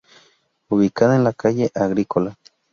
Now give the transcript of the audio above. Ubicada en la calle Agrícola.